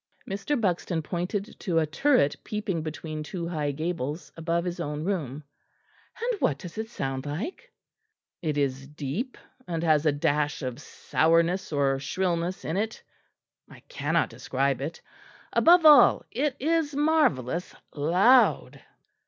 Mr. Buxton pointed to a turret peeping between two high gables, above his own room. "And what does it sound like?" "It is deep, and has a dash of sourness or shrillness in it. I cannot describe it. Above all, it is marvellous loud."